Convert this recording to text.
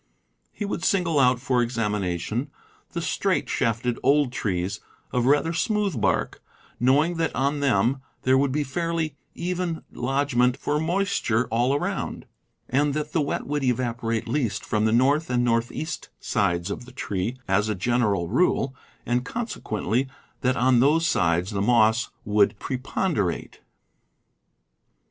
He would single out for examination the straight shafted old trees of rather smooth bark, knowing that on them there would be fairly even lodgment for mois ture all around, and that the wet would evaporate least from the north and northeast sides of the tree, as a general rule, and, consequently, that on those sides the moss would preponderate.